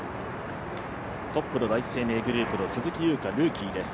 トップの第一生命グループの鈴木優花、ルーキーです。